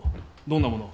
どんなもの？